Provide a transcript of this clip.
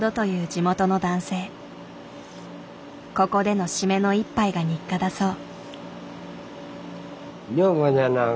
ここでのシメの一杯が日課だそう。